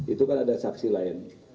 itu kan ada saksi lain